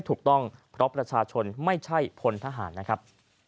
ถูกต้องเพราะประชาชนไม่ใช่พลทหารนะครับ